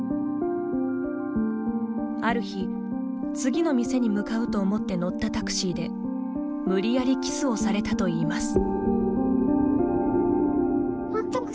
ある日、次の店に向かうと思って乗ったタクシーで無理やりキスをされたといいます。